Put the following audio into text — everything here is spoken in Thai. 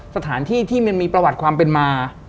สถานที่ที่มันมีประวัติความเป็นมา